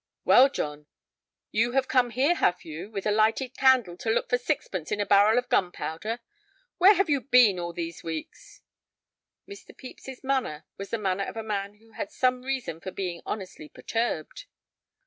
"Well, John, you have come here, have you, with a lighted candle to look for sixpence in a barrel of gunpowder. Where have you been all these weeks?" Mr. Pepys's manner was the manner of a man who had some reason for being honestly perturbed.